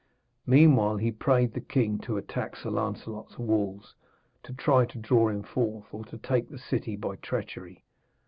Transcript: Meanwhile he prayed the king to attack Sir Lancelot's walls, to try to draw him forth, or to take the city by treachery.